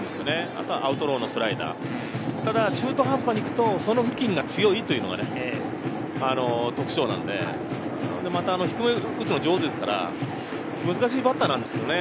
あとはアウトローのスライダー、中途半端に行くとその付近が強いというのが特徴なんで、また低めを打つのが上手ですから、難しいバッターなんですよね。